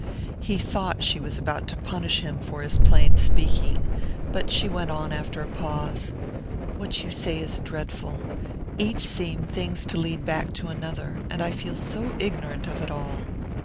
He thought she was about to punish him for his plain speaking; but she went on after a pause: "What you say is dreadful. Each thing seems to lead back to another and I feel so ignorant of it all."